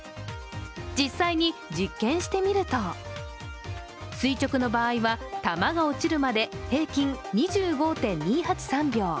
実際に実験してみると垂直の場合は玉が落ちるまで平均２５．２８３秒。